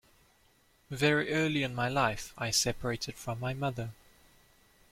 Very early in my life, I separated from my mother.